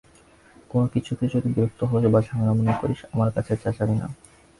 কোনো কিছুতে যদি বিরক্ত হস বা ঝামেলা মনে করিস, আমার কাছে চেঁচাবি না।